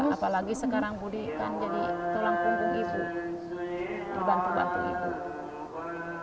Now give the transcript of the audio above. apalagi sekarang budi kan jadi tulang punggung ibu dibantu bantu ibu